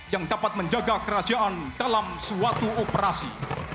yang dapat menjaga kerahasiaan dalam suatu operasi